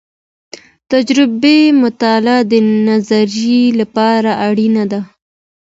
تجربي مطالعه د نظريې لپاره اړينه ده.